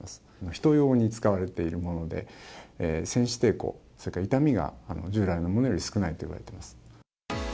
人用に使われているもので、せん刺抵抗、それから痛みが従来のものより少ないということです。